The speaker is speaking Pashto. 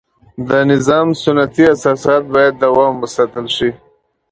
د نظام سنتي اساسات باید دوام وساتل شي.